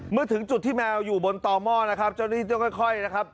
เมื่อถึงจุดที่แมวอยู่บนต่อหม้อนะครับเจ้าหน้าที่จะค่อยนะครับ